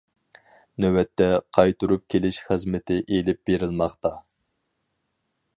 نۆۋەتتە، قايتۇرۇپ كېلىش خىزمىتى ئېلىپ بېرىلماقتا.